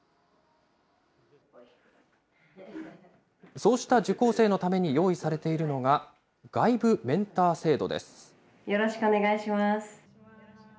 そうした受講生のために用意されているのが、外部メンター制度でよろしくお願いします。